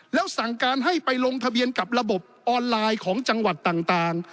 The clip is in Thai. แล้วสั่งการให้ไปลงทะเบียนกับระบบออนไลน์ของจังหวัดต่าง